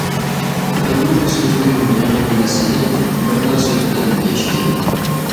تۈمەنمىڭ سۆزنىڭ يىغىندىسىنى بىرلا سۆز بىلەن يەشكىن.